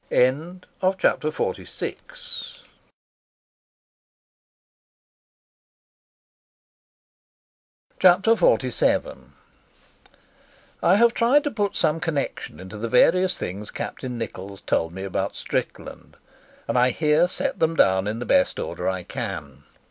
Chapter XLVII I have tried to put some connection into the various things Captain Nichols told me about Strickland, and I here set them down in the best order I can.